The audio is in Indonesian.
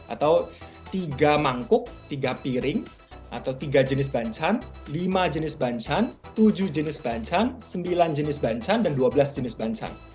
atau tiga mangkuk tiga piring atau tiga jenis banca lima jenis banca tujuh jenis banca sembilan jenis banca dan dua belas jenis banca